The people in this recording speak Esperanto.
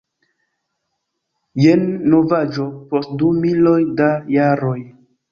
Jen novaĵo post du miloj da jaroj.